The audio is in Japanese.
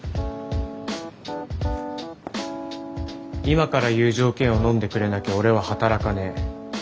今から言う条件をのんでくれなきゃ俺は働かねえ。